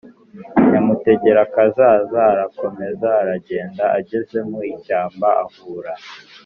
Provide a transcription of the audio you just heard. nyamutegerakazaza arakomeza aragenda. ageze mu ishyamba, ahura